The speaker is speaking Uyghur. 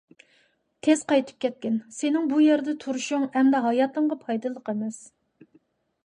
تېز قايتىپ كەتكىن، سېنىڭ بۇ يەردە تۇرۇشۇڭ ئەمدى ھاياتىڭغا پايدىلىق ئەمەس.